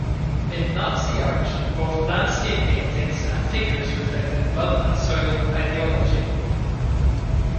In Nazi art, both landscape paintings and figures reflected "blood-and-soil" ideology.